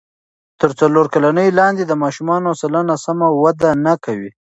تر څلور کلنۍ لاندې د ماشومانو سلنه سمه وده نه کوي.